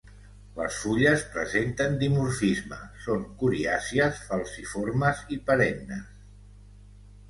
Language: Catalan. Les fulles presenten dimorfisme, són coriàcies, falciformes i perennes.